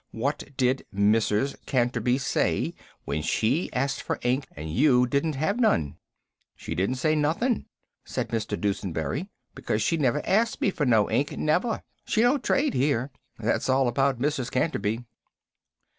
"What did Mrs. Canterby say when she asked for ink and you didn't have none?" "She didn't say nothin'," said Mr. Dusenberry, "because she never asked me for no ink, never! She don't trade here. That's all about Mrs. Canterby."